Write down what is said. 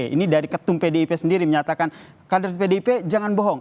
ini dari ketum pdip sendiri menyatakan kader pdip jangan bohong